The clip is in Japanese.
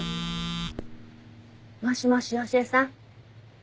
もしもし良恵さん？